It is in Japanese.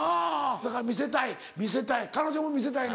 だから見せたい見せたい彼女も見せたいの？